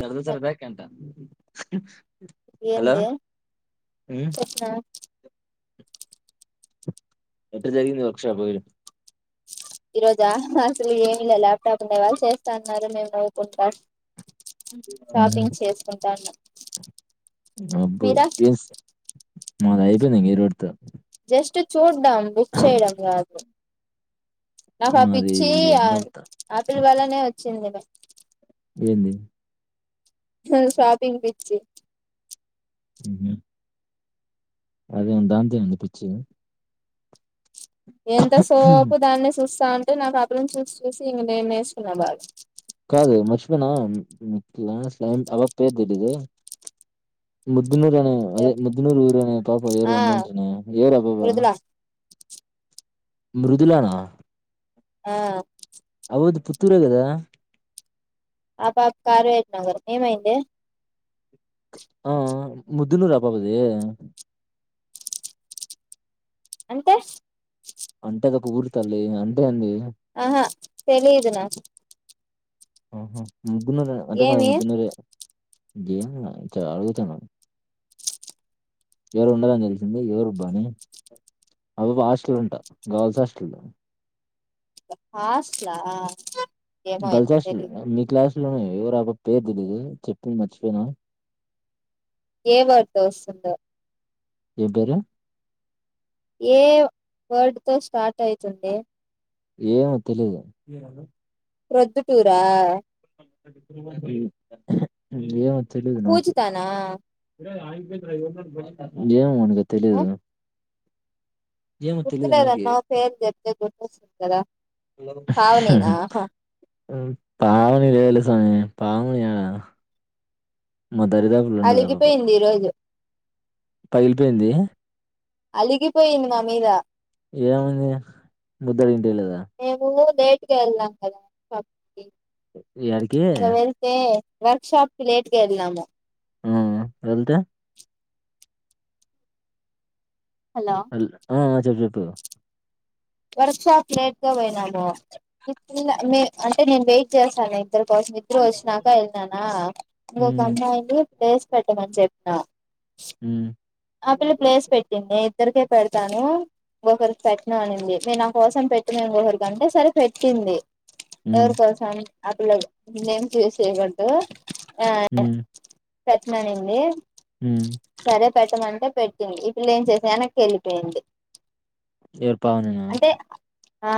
సరద సరదకి అంట హలో ఏంది హ్మ్ చెప్పిన ఎట జరిగింది వర్క్ షాప్ ఈ రోజ అసలు ఏమి లే లాప్టాప్ ఉన్నావాళ్ళు చేస్తాన్నారు మేము నవ్వుకుంట ఉమ్, షాపింగ్ చేసుకుంటాన అబ్బో ఏస్ మది ఐపోయింది ఇంగ ఈరోజు తో ఫస్ట్ చూద్దాం బుక్ చేయడం గాదు నాకు అ మాది పిచ్చి ఎందంతా అప్పీల్ వల్లనే వచ్చింది ఏంది షాపింగ్ పిచ్చి హ్మ్ అదే ఉంతే ఏమి ఉందే పిచ్చి ఎంత సోపు దాన్నే సుస్సా అంటే నాకు అపురం చూసి చూసి ఇంగ నేను వేసుకున్నా బాగా కాదు మార్చిపిన అ పాప పేరు తెలీదే బు గున్నూరు అనే అదే ముద్దునూరు ఊరు అనే పాప ఎవరు ఆ ఉన్నాంటనే ఎవరు ఆ పాప మృదుల మృదులనా అ వల్ది పుత్తూరే గద ఆ పాప కారవ నగర్ ఏమైంది అ ముదున్నూరు అ అ పాపది అంటే అంటే అదొక ఊరు తల్లి అంటే అంది ఆహా తెలిదు నా ఆహ ముద్దునూరు అంటే మాది ఏమి ముధునురే ఏమిలే అంతే అడుగుతన ఎవరు ఉండదని తెలిసింది ఎవరుబ్బ అనీ అవి హాస్టల్ ఉంటా గర్ల్స్ హాస్టల్ హాస్టల్ ఆ గల్సస్ మీ క్లాస్ ట్లనే ఎవరు అబా పేరు తెలీయదు చెప్పింది మర్చిపోయినా ఏ వర్డ్ తో వస్తుందో ఏం పేరు ఏ వర్డ్ తో స్టార్ట్ అయితుంది ఏమో తెలీదు ప్రొద్దుటూరా హ్మ్ ఏమో తెలిదు నాకి పూజితానా ఏమో తెలీదు గుర్తులేదన్న పేరు చెప్తే గుర్తొస్తుంది కదా పావనేనా మ్మ్ పావని లేదులే సామి పావని యాడ నా దరిదాపుల్లో ఉండదు ఆ పాప అలిగిపోయింది ఈ రోజు పగిలిపోయింది అలిగిపోయింది నామీద ఏమైంది ముద్ద తినిపియ్యలేదా బైటికి ఎళ్ళాం కదా పబ్ కి యాడికి ఇంగ వెళ్తే వర్క్ షాప్ కి లేటుగా ఎళ్లాము హ్మ్ వెళ్తే హలో ఆ చెప్పు చెప్పు వర్క్ షాప్‌కి లేట్‌గా పోయినాము ఈ పిల్ల నే అంటే నేను వెయిట్ చేశాను ఇద్దరు కోసం ఇద్దరు వచ్చినాక వెళ్ళిననా ఇంకొక హ్మ్. అమ్మాయిని ప్లేస్ పెట్టమని చె ప్పా హ్మ్. ఆ పిల్ల ప్లేస్ పెట్టింది ఇద్దరికే పెడతాను ఒకరికి పెట్ను అనింది మె నా కోసం పెట్టినా ఇంగ ఒకరికంటే సరే పెట్టింది హ్మ్. ఎవరి కోసం అ పిల్ల నేమ్స్ యూస్ చేయకూడదు ఆ హ్మ్. పెట్ననింది హ్మ్ పెట్టమంటే పెట్టింది ఈ పిల్ల ఏం చేసి ఎనక్కి ఎళ్ళిపోయింది ఎవరు పావని నా ఆ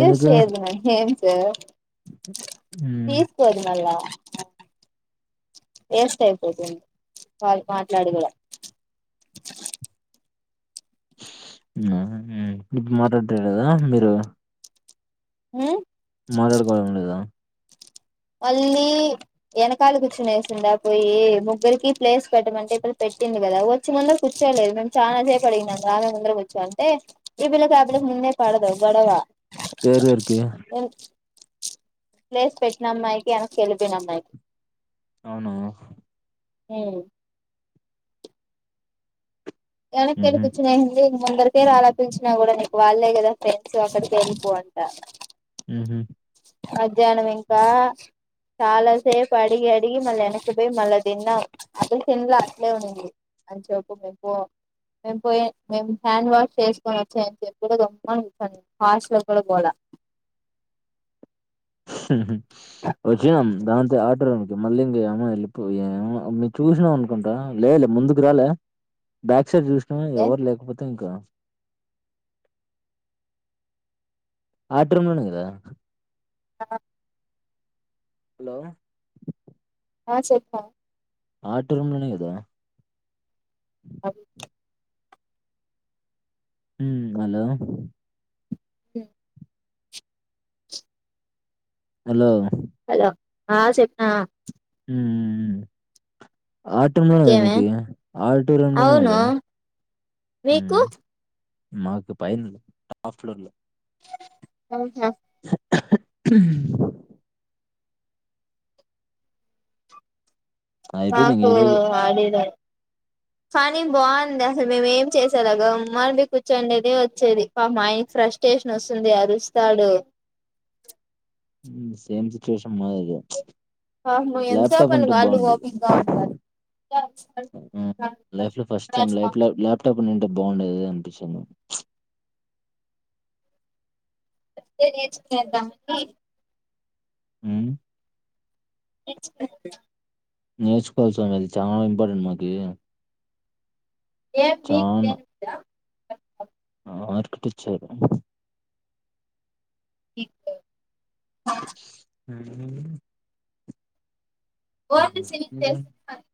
యూస్ ఎందుకు? చేయొద్దు నేమ్స్ హ్మ్. తీసుకోదు మల్ల వేస్ట్ అయిపోతుంది కాల్ మాట్లాడి కూడా మ్మ్ ఇప్పుడు మాట్లాడడం లేదా అందరూ మ్మ్ మాట్లాడుకోవాడం లేదా మళ్ళీ వెనకాల కూర్చునేసిందా పోయి ముగ్గురికి ప్లేస్ పెట్టమంటే ఇ పిల్ల పె ట్టింది కదా వచ్చి ముందర కూర్చోలేదు మేము చానా సేపు అడిగినాం రామే ముందర కూర్చో అంటే ఈ పిల్లకి ఆ పిల్లకి ముందే పడదు గొడవ ఎరోరికి ప్లేస్ పెట్టిన అమ్మాయికి ఎన్నకు వెళ్లిపోయిన అమ్మాయికి అవునా హ్మ్ ఎనక్కేళ్లి హుహు. కూర్చునేముంది ముందరి కే రాలా పిలిచినా కూడా నీకు వాళ్ళే కదా ఫ్రెండ్స్ అక్కడికే ఎళ్లిపో అంటా మ్మ్ హ్మ్ ఇంకా చాలా సేపు అడిగి అడిగి మళ్ళీ వెనకిపోయి మళ్ళా తిన్నాం అది తిన్ల అట్లే ఉనింది అంచేపు మేం పొ మేము పోయి మేము హ్యాండ్ వాష్ చేసుకొని వచ్చాయని చెప్పి కూడా గమ్మని కూర్చొని హాస్ లో కూడా గోల మ్మ్ ఉహ్మ్ ఓకేమ్ దాంతో ఆటరానికి మళ్ళీ ఇంక అమ్మ ఎల్లిపోయే మీ చూసినా అనుకుంటా. లేలే ముందుకు రాలే? బ్యాక్ సైడ్ చూసిన ఏ ఎవరు లేకపోతే ఇంకా ఆటం నును కదా ఆ హలో ఆ చెప్ప ఆట్ రూమ్ లోనే కదా అది ఉమ్ హలో హు హలో హలో ఆ సేప్న ఉమ్ ఆటోంలోనే గాదా ఇంకేమే మీకి ఆటో రంలోనే అవును గాదా మీకు మాకు పైన్లో టప్ ఫ్లోర్లో ఆహా అయిపోయింది ఇంక మాకు ఈరోజు. ఆడిదయ్ కానీ బావుంది అసలు మేము ఏం చేసేలాగామ్మాని బి కూర్చోండేది, వచ్చేది. మాక్ మైండ్ ఫ్రెష్ స్టేషన్ వస్తుంది అరుస్తాడు. హ్మ్. సేమ్ సిచ్యువేషన్ మాదేగార్ ప్చ్ పాపం ల్యాప్టాప్ ఎంతసేపని ఉంటే వాళ్ళు బావుండేది. ఓపికగా ఉంటారు ఉహ్ లైఫ్ లో ఫస్ట్ టైం లైఫ్ లో ల్యాప్ టాప్ వున్నింటే బాగుండేది అనిపించింది. ప్చ్ చెప్తే నేర్చుకొని చేద్దాం ఉహ్మ్ నేర్చుకోరాదబ్బ నేర్చుకోవాల్సాం అది చాలా ఇంపార్టెంట్ మాకి ఏం మీక్ చానా. జ [inaudible] ఆ ఆర్కిటిచరు ఇప్డు అహ్ వొంట శివిన్ చేసి [inaudible] పని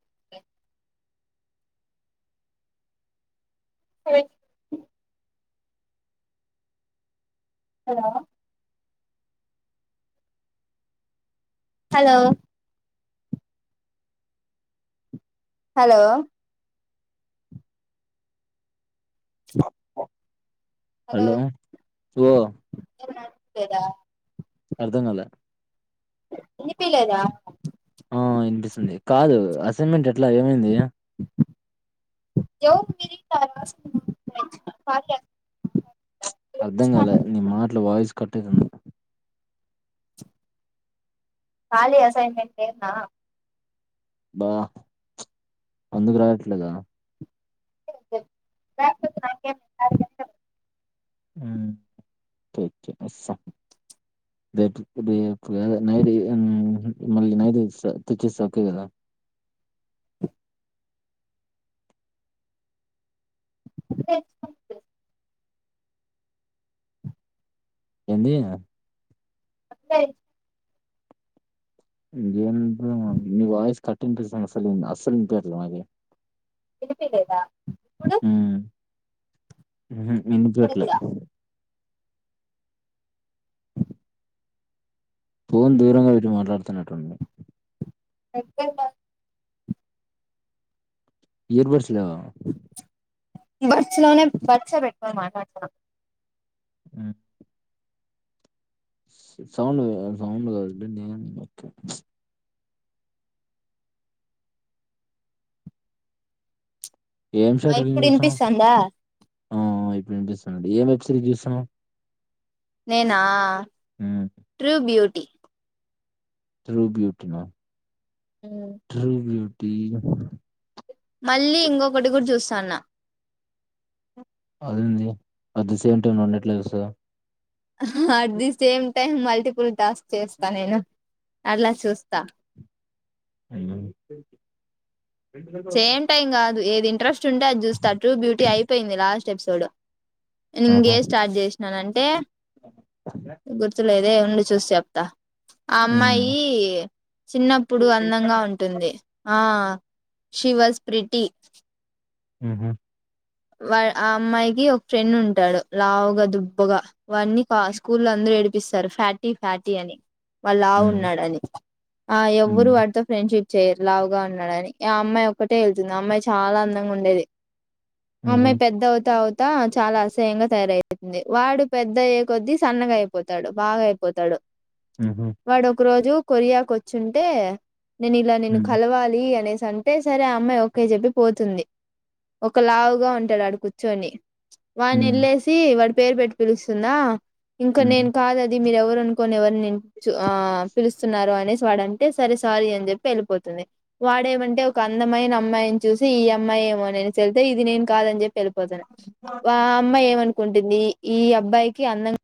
పోయి [inaudible] హలో హలో హలో హలో లో లేదా అర్ధంగాలే ఇనిపిలేదా ఆ ఇనిపిస్తుంది. కాదు అసైన్మెంట్ ఎట్లా ఏమైంది? ఎవరి మీరిటా రాసింది కలిలేక [inaudible] అర్ధంగాలే నీ మాట్లు వాయిస్ కట్ అయితంది. కాలే అసైన్మెంట్ లేర్నా బా ప్చ్ అందుకు రాయట్లేదా? [inaudible] రాయాక్పోతే నాకేమి సార్ [unintelligible] ఉమ్ కేకే నామాస్సా రేపు రేపుద నైడి మళ్ళీ నైడ్ తెచ్చేస్త ఓకే కదా [unintelligible] కంది సయి వయిస్ కట్ంటి సంగసలు అస్సలు ఇంతర్ల మ యినిపిపిలేదా ఇప్పుడు ఎందు ఇప్పుడు వీట్లా కూడా పోన్ దూరంగా పెట్టి మాట్లాడుతనటుంది ఎప్పమా ఇయర్ బర్డ్స్ లేవ బర్చలోనే బర్స పెట్టుకొని మాట్లాడు ఆ సౌండ్ సౌం ఏం షట ఇప్పుడు చూసాం వినిపిస్తాందా ఆ ఇప్పుడు అండి ఏం వెబ్సిరీస్ చూసాను నేనా ట్రూ బ్యూటీ ట్రూ బ్యూటీ మా ఉమ్ ట్రూ బ్యూటీ మళ్ళీ ఇంకొకటి గు చూస్తాన్న అదేంది అది సేమ్ టైం ఉండట్లేదు సా at the same time multiple task చేస్తా నేను అలా చూస్తా అయ్యో సేమ్ టైం కాదు ఏది ఇంట్రెస్ట్ ఉంటే అది చూస్తారు ట్రూ బ్యూటీ అయిపోయింది లాస్ట్ ఎపిసోడ్ నే ఇంకే ఆహా స్టార్ట్ చేసినాను అంటే గుర్తులేదే ఉండి చూసి చెప్తా ఆ ఉమ్ అమ్మాయి చిన్నప్పుడు అందంగా ఉంటుంది ఆ శివ స్పీటి ఆహ వా ఆ అమ్మాయికి ఒక ఫ్రెండ్ ఉంటాడు లావుగా దుబ్బగా వాని స్కూల్ అందరు ఏడిపిస్తారు ఫ్యాటీ ఫ్యాటీ అని వాళ్ళులా హ్మ్. ఉన్నాడని ఆ హ్మ్. ఎవ్వరు వాటితో ఫ్రెండ్షిప్ చర్లావుగా ఉన్నాడని ఆ అమ్మాయి ఒక్కటే వెళ్తుంది అమ్మాయి చాలా అందంగా ఉండేది అ మమె హుహు. పెద్దవుత అంత చాలా అసహ్యంగా తయారవుతుంది వాడు పెద్ద అయ్యే కొద్దీ సన్నగా అయిపోతాడు బాగా అయిపోతాడు హుహు. వాడు ఒక రోజు కొరియాకు వచ్చుంటే నేను ఇలా నేను హ్మ్. కలవాలి అనే అంటే సరే ఆ అమ్మాయి ఒకే చెప్పి పోతుంది ఒక లావుగా ఉంటాడు ఆడు కూర్చొని వాడిని హ్మ్. వెళ్ళేసి వాడి పేరు పెట్టి పిలుస్తుందా ఇంకా హ్మ్. నేను కాదు అది మీరు ఎవరు అనుకొని ఎవరుని ని ఆ పిలుస్తున్నన్నారు అనేసి వాడంటే సరే సారీ అని చెప్పి వెళ్ళిపోతుంది వాడేమంటే ఒక అందమైన అమ్మాయిని చూసి ఈ అమ్మాయి ఏమో వెళ్తే ఇది నేను కాదని చెప్పి వెళ్ళిపోతాను ఆ అమ్మాయి ఏమను కుంటుంది ఈ అబ్బాయికి అందం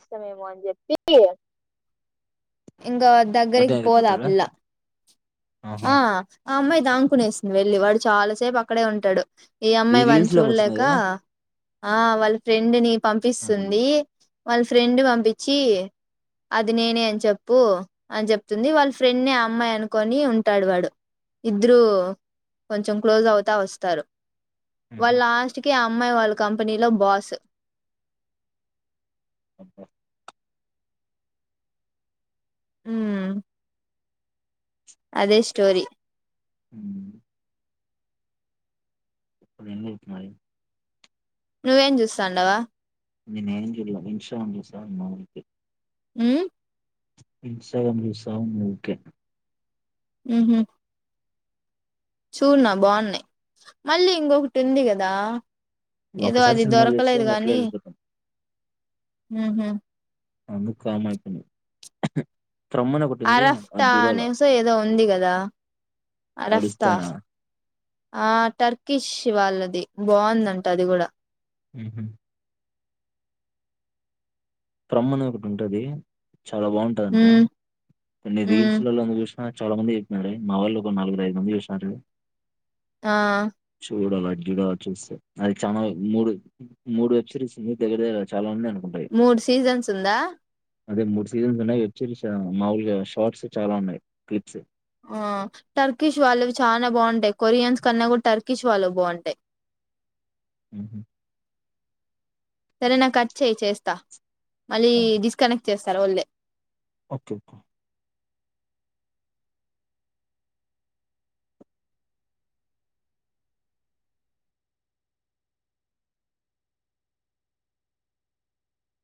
ఇస్తామేమో అని చెప్పి ఇంగ అటే దగ్గరకి పోదా ఎళ్ళిపోతారా? పిలా ఆహా! ఆ ఆ అమ్మాయి దాంకునేసింది వెళ్ళలి వాడు చాలా సేపు అక్కడే ఉంటాడు ఈ ఇది అమ్మాయి వాని రీల్స్‌లో ఏమొచ్చింది చూడలేక గదా! ఆ వాళ్ళ ఫ్రెండ్ ని అది. పంపిస్తుంది వాళ్ళ ఫ్రెండ్ పంపించి అది నేనే అని చెప్పు అని చెప్తుంది వాళ్ళ ఫ్రెండ్ అమ్మాయి అనుకొని ఉంటాడు వాడు ఇద్దరు కొంచెం క్లోజ్ అవుతా వస్తారు వాళ్ హుహు. లాస్ట్ కి ఆ అమ్మాయి వాళ్ళ కంపెనీలో బాస్ ఓకే అ అదే స్టోరి ఊ ఇపుడు ఎందుకు మరి నువ్వేం చూస్తాండవు నేనేం చూల ఇన్స్టా ఆన్ చేసే వున్న ఊరికే ఊ ఇన్స్టాగ్రామ్ చూసా వున్నా ఊరికే ఊహు చూనా బాగున్నాయి మళ్ళీ ఇంకొకటి ఉంది కదా ఏదో ఒకసారి అది సినిమాలు జూస్తే దొరకలేదు ఇంక అట్లే గానీ ఎళ్ళిపోతాం. ఊహు అందు కామకిను అరఫ్టా అనేసి ఏదో ఉంది కదా అరఫ్తా ఆడిస్తానా. ఆ టర్కిష్ వాళ్ళది బాగుందంట అది కూడా ఊహు ట్రమ్మనేది ఒకటి ఉంటది చాలా బాగుంటదంట ఉమ్ కొన్ని ఉమ్ రీల్స్లలో చూస్ ఆ చాలా మంది చెప్పినారే మా వాళ్ళు ఒక నలుగురు ఐదు మంది చూసినారు ఆ చూడల అజూడాల చూస్తే అది చాలా మూడు మూడు వెబ్ సిరీస్ మీ దగ్గదర చాలా ఉన్నాయ్ మూడు సీజన్స్ ఉందా అదే మూడు సీజన్స్ ఉన్నాయి వెబ్సిరీస్ మామూలుగా షార్ట్స్ చాలా ఉన్నాయి క్లిప్స్ ఆ టర్కిష్ వాళ్ళవి చాలా బాగుంటాయి కొరియన్స్ కన్నా కూడా టర్కిష్ వాళ్ళు బాగుంటాయి ఊహు సరే నాకచ్చేయి చేస్తా మళ్ళీ డిస్కనెక్ట్ చేస్తారోళ్ళే ఓకేే ఓకే